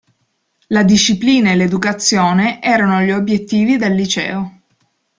La disciplina e l'educazione erano gli obiettivi del liceo.